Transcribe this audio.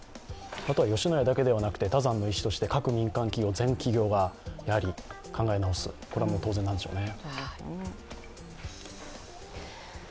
吉野家だけではなくて、他山の石として、全企業が考え直すこれは当然なんでしょうね。